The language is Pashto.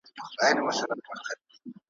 لا تر کومه انتظار، پیالې دي نوش که